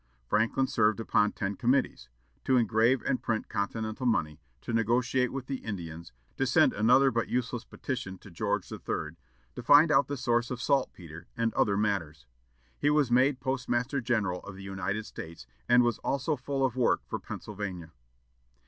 Franklin served upon ten committees: to engrave and print Continental money, to negotiate with the Indians, to send another but useless petition to George III., to find out the source of saltpetre, and other matters. He was made postmaster general of the United States, and was also full of work for Pennsylvania.